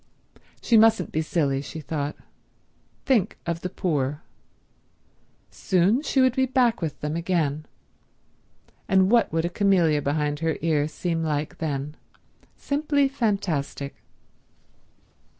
She mustn't be silly, she thought. Think of the poor. Soon she would be back with them again, and what would a camellia behind her ear seem like then? Simply fantastic.